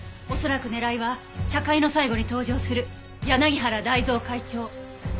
恐らく狙いは茶会の最後に登場する柳原大造会長。